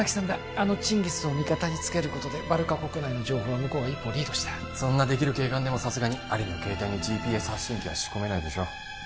あのチンギスを味方につけることでバルカ国内の情報は向こうが一歩リードしたそんなできる警官でもさすがにアリの携帯にＧＰＳ発信機は仕込めないでしょ